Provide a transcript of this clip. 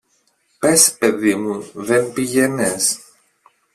Πες, παιδί μου, δεν πήγαινες.